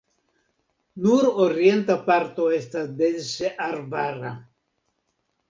Nur orienta parto estas dense arbara.